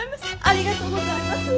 ありがとうございます！